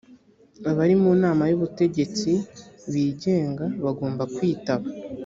abari mu nama y ‘ubutegetsi bigenga bagomba kwitaba